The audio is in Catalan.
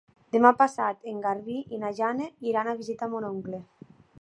Demà passat en Garbí i na Jana iran a visitar mon oncle.